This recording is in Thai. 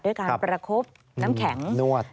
ด้วยการประคบน้ำแข็งนวด